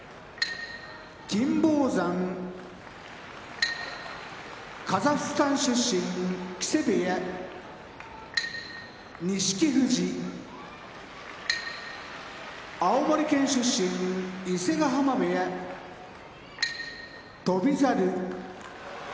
金峰山カザフスタン出身木瀬部屋錦富士青森県出身伊勢ヶ濱部屋翔猿